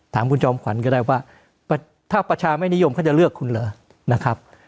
ถามคุณจอมขวัญก็ได้ว่าถ้าประชาไม่นิยมเขาจะเลือกคุณเหรอนะครับ